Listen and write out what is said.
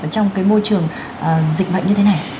trong cái môi trường dịch bệnh như thế này